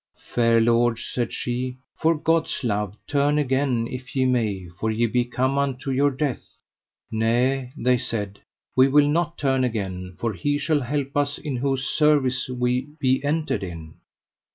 Fair lords, said she, for God's love turn again if ye may, for ye be come unto your death. Nay, they said, we will not turn again, for He shall help us in whose service we be entered in.